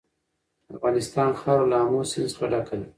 د افغانستان خاوره له آمو سیند څخه ډکه ده.